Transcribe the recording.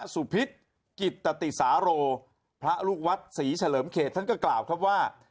พิษกิตติสาโรพระลูกวัดศรีเฉลิมเขตท่านก็กล่าวครับว่า